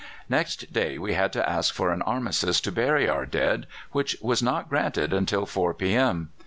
Next day we had to ask for an armistice to bury our dead, which was not granted until 4 p.m.